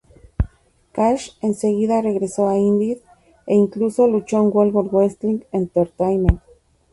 Kash enseguida regresó a indies e incluso luchó en World Wrestling Entertainment.